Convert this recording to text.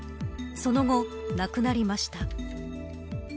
その後、亡くなりました。